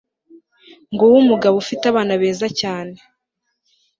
Nguwo umugabo ufite abana beza cyane